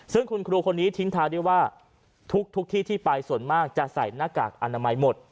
ซึ่งคุณครูคนนี้ทิ้งท้ายด้วยว่าทุกที่ที่ไปส่วนมากจะใส่หน้ากากอนามัยหมด